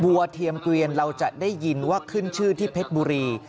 เทียมเกวียนเราจะได้ยินว่าขึ้นชื่อที่เพชรบุรี